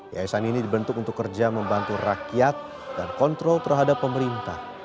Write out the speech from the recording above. yayasan ini dibentuk untuk kerja membantu rakyat dan kontrol terhadap pemerintah